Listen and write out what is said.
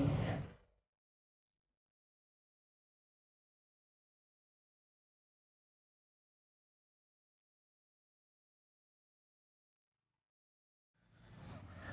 bunda kan usaha janji